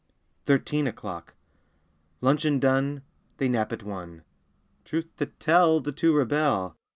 THIRTEEN O'CLOCK L uncheon done, ^ They nap at one; Truth to tell, The two rebel.